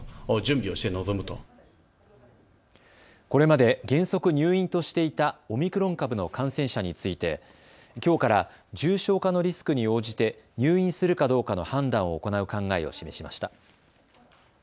これまで原則入院としていたオミクロン株の感染者についてきょうから重症化のリスクに応じて入院するかどうかの判断を行う考えを示しました。